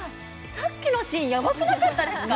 さっきのシーンやばくなかったですか？